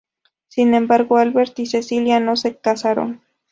Sin embargo, Alberto y Cecilia no se casaron.